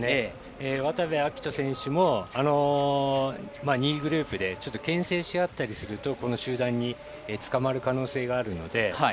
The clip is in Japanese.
渡部暁斗選手も２位グループでけん制し合ったりするとこの集団につかまる可能性があるので。